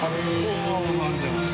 ありがとうございます。